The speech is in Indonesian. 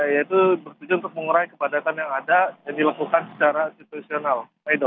yaitu bertujuan untuk mengurai kepadatan yang ada dan dilakukan secara institusional